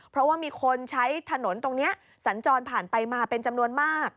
เพราะว่ามีคนใช้ถนนตรงนี้สัญจรผ่านไปมาเป็นจำนวนมาก